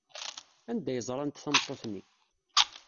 Anda ay ẓrant tameṭṭut-nni?